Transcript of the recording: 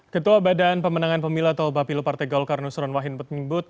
ketua badan pemenangan pemilat obapilu partai golkar nusron wahin petimbut